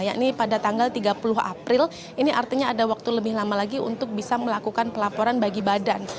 yakni pada tanggal tiga puluh april ini artinya ada waktu lebih lama lagi untuk bisa melakukan pelaporan bagi badan